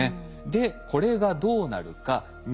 でこれがどうなるか。